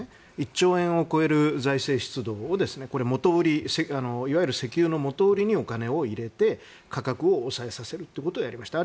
１兆円を超える財政出動を石油の元売りにお金を入れて価格を抑えさせるということをやりました。